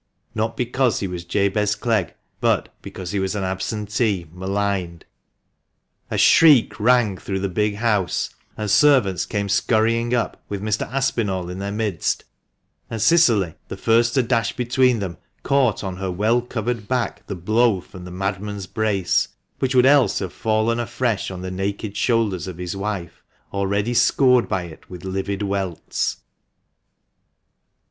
Not because he was Jabez Clegg, but because he was an absentee maligned, 404 THE MANCHESTER MAN. A shriek rang through the big house, and servants came scurrying up, with Mr. Aspinall in their midst; and Cicily, the first to dash between them, caught on her well covered back the blow from the madman's brace, which would else have fallen afresh on the naked shoulders of his wife, already scored by it with livid welts.